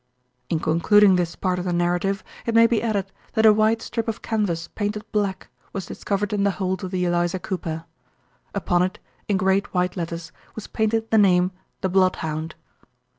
In concluding this part of the narrative it may be added that a wide strip of canvas painted black was discovered in the hold of the Eliza Cooper. Upon it, in great white letters, was painted the name, "The Bloodhound."